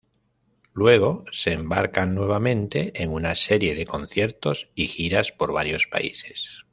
Luego se embarcan nuevamente en una serie de conciertos y giras por varios países.